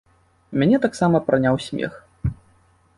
Мяне таксама праняў смех.